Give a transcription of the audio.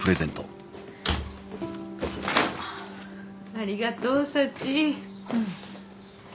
ありがとうサチうん